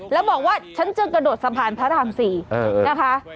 แล้วบอกว่าฉันจึงกระโดดสะพานพระราม๔นะคะ